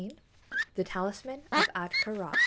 THE TALISMAN OF AHTKA RĀ.